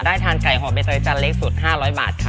ได้ทานไก่หัวเบตรจรเล้กสุด๕๐๐บาทครับ